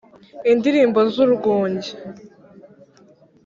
Indilimbo z'urwunge